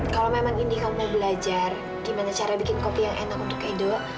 kalau memang ini kamu mau belajar gimana cara bikin kopi yang enak untuk edo